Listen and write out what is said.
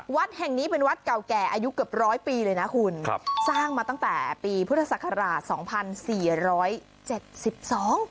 วัดแห่งนี้เป็นวัดเก่าแก่อายุเกือบร้อยปีเลยนะคุณครับสร้างมาตั้งแต่ปีพุทธศักราชสองพันสี่ร้อยเจ็ดสิบสอง